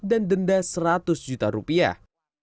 dan denda seratus juta rupiah